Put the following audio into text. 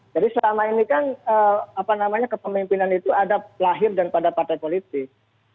jadi selama ini kan apa namanya kepemimpinan itu ada lahir daripada partai politik